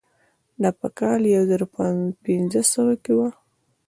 دا په کال یو زر پنځه سوه کې وه.